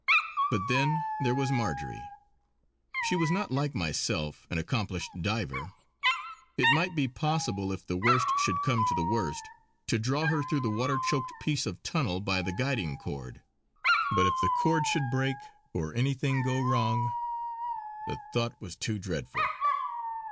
But then there was Marjory. She was not like myself an accomplished diver. It might be possible if the worst should come to the worst to draw her through the water choked piece of tunnel by the guiding cord. But if the cord should break or anything go wrong.... The thought was too dreadful!